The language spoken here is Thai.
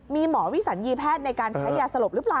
มีหมอวิสัญญีแพทย์ในการใช้ยาสลบหรือเปล่า